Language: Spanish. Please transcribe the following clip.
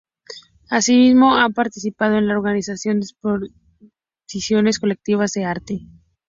Asimismo ha participado en la organización de exposiciones colectivas de arte.